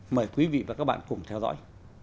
mời quý vị và các bạn cùng theo dõi